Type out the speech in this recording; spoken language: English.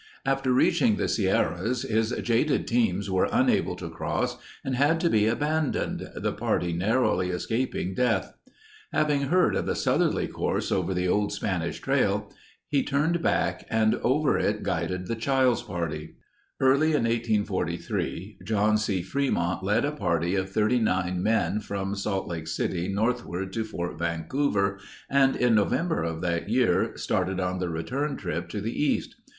After reaching the Sierras, his jaded teams were unable to cross and had to be abandoned, the party narrowly escaping death. Having heard of the southerly course over the old Spanish Trail, he turned back and over it guided the Chiles party. Early in 1843, John C. Fremont led a party of 39 men from Salt Lake City northward to Fort Vancouver and in November of that year, started on the return trip to the East.